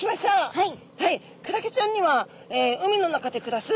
はい。